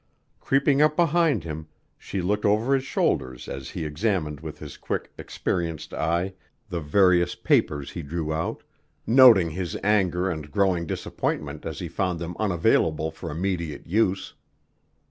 Creeping up behind him, she looked over his shoulders as he examined with his quick, experienced eye the various papers he drew out, noting his anger and growing disappointment as he found them unavailable for immediate use.